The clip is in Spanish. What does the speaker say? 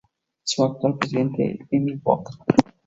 Su actual presidente es Emil Boc.